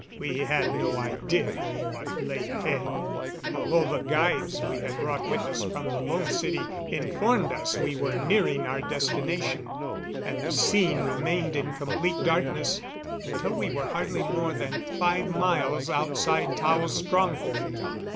We had no idea what lay ahead although the guides we had brought with us from the Lone City informed us we were nearing our destination and the scene remained in complete darkness until we were hardly more than five miles outside Tao's stronghold.